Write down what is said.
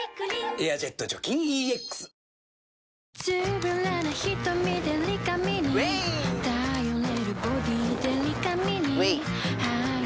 「エアジェット除菌ＥＸ」あれ？